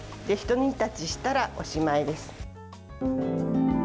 ひと煮立ちしたら、おしまいです。